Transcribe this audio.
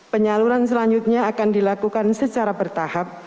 penyaluran selanjutnya akan dilakukan secara bertahap